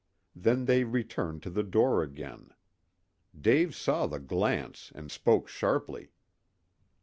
Then they returned to the door again. Dave saw the glance and spoke sharply.